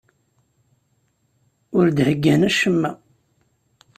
Ur d-heyyan acemma.